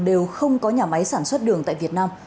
đều không có nhà máy sản xuất đường tại việt nam